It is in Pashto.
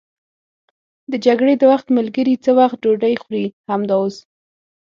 د جګړې د وخت ملګري څه وخت ډوډۍ خوري؟ همدا اوس.